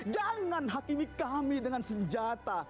jangan hakimi kami dengan senjata